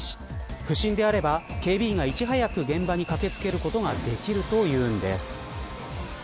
不審であれば警備員がいち早く現場に駆け付けることができるというんです。